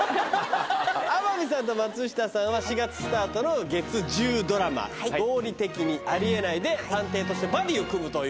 天海さんと松下さんは４月スタートの月１０ドラマ「合理的にあり得ない」で探偵としてバディを組むという。